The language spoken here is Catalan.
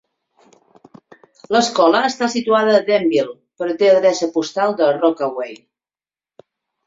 L'escola està situada a Denville però té adreça postal de Rockaway.